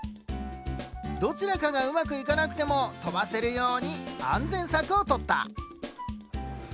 どちらかがうまくいかなくても飛ばせるように安全策をとった。